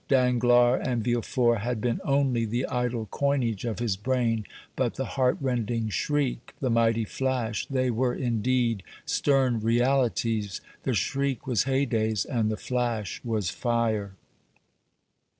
Danglars and Villefort had been only the idle coinage of his brain, but the heart rending shriek, the mighty flash, they were, indeed, stern realities the shriek was Haydée's, and the flash was fire!